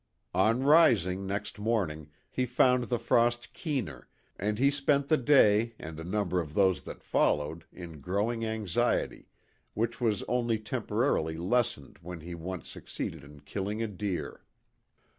On rising next morning, he found the frost keener, and he spent the day and a number of those that followed in growing anxiety, which was only temporarily lessened when he once succeeded in killing a deer.